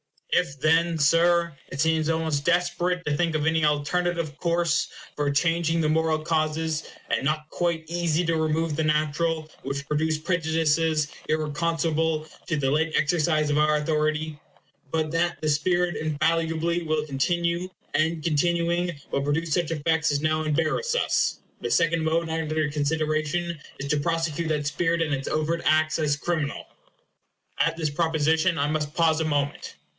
If then, Sir, it seems almost desperate to think of any alterative course for changing the moral causes, and not quite easy to remove the natural, which produce prejudices irreconcilable to the late exercise of our authority but that the spirit infallibly will continue, and, continuing, will produce such effects as now embarrass us the second mode under consideration is to prosecute that spirit in its overt acts as criminal. At this proposition I must pause a moment.